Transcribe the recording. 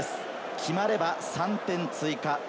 決まれば３点追加。